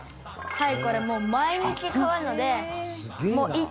はい。